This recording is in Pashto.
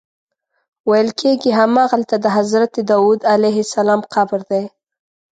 ویل کېږي همغلته د حضرت داود علیه السلام قبر دی.